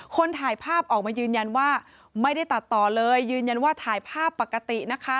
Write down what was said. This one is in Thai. คนถ่ายภาพออกมายืนยันว่าไม่ได้ตัดต่อเลยยืนยันว่าถ่ายภาพปกตินะคะ